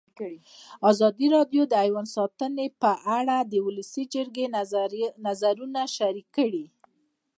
ازادي راډیو د حیوان ساتنه په اړه د ولسي جرګې نظرونه شریک کړي.